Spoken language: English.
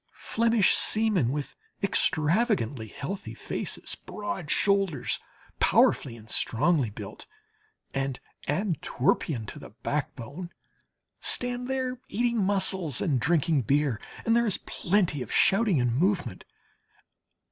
Flemish seamen with extravagantly healthy faces, broad shoulders, powerfully and strongly built, and Antwerpian to the backbone, stand there eating mussels and drinking beer, and there is plenty of shouting and movement.